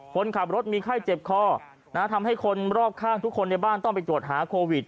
คนขับรถมีไข้เจ็บคอทำให้คนรอบข้างทุกคนในบ้านต้องไปตรวจหาโควิด